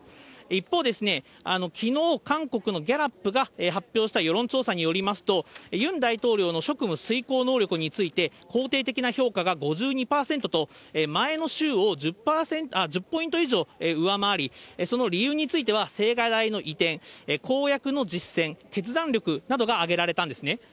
一方で、きのう韓国のギャラップが発表した世論調査によりますと、ユン大統領の職務遂行能力について、肯定的な評価が５２％と、前の週を１０ポイント以上上回り、その理由については青瓦台の移転、公約の実践、決断力などが挙げられたんですね。